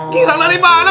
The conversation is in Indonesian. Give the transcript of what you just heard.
birang dari mana